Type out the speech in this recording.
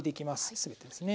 全てですね。